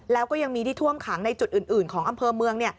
แล้วก็ยังมีที่ท่วมขังในจุดอื่นของอำเภอเมือง